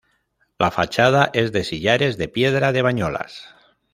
La fachada es de sillares de piedra de Bañolas.